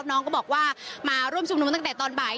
น้องก็บอกว่ามาร่วมชุมนุมตั้งแต่ตอนบ่าย